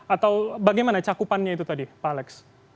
atau bagaimana cakupannya itu tadi pak alex